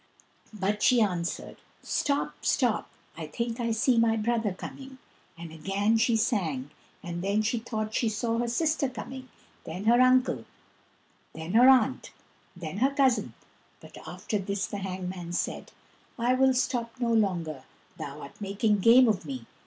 But she answered, "Stop, stop, I think I see my brother coming!" And again she sang, and then she thought she saw her sister coming, then her uncle, then her aunt, then her cousin; but after this the hangman said, "I will stop no longer, thou 'rt making game of me.